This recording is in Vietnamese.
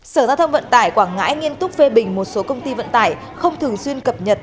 sở giao thông vận tải quảng ngãi nghiêm túc phê bình một số công ty vận tải không thường xuyên cập nhật